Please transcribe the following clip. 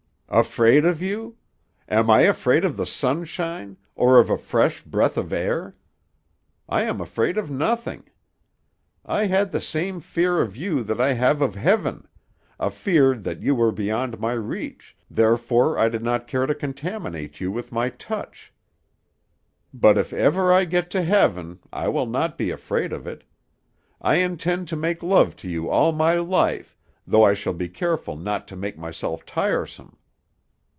"Afraid of you! Am I afraid of the sunshine, or of a fresh breath of air! I am afraid of nothing. I had the same fear of you that I have of heaven a fear that you were beyond my reach, therefore I did not care to contaminate you with my touch. But if ever I get to heaven, I will not be afraid of it. I intend to make love to you all my life, though I shall be careful not to make myself tiresome.